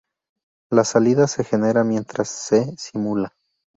La salida se genera mientras se simula.